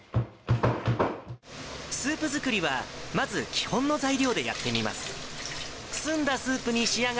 スープ作りはまず基本の材料でやってみます。